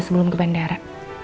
sebelum ke bandara